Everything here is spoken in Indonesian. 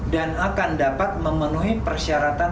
dan akan dapat memenuhi persyaratannya